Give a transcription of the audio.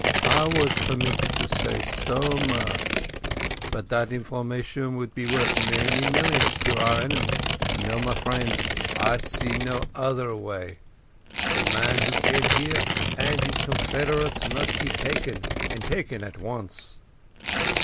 I was permitted to say so much. But that information would be worth many millions to our enemies. No, my friends, I see no other way. The man who came here and his confederates must be taken, and taken at once."